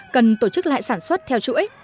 cần tổ chức lại sản xuất theo chuỗi